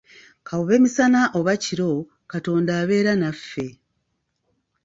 Kabube misana oba kiro, Katonda abeera naffe.